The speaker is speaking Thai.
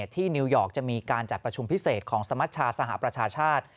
ที่นิวยอร์กจะมีการจัดประชุมพิเศษของสมัชชาสหประชาชาติ